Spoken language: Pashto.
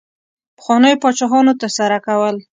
پخوانیو پاچاهانو ترسره کول.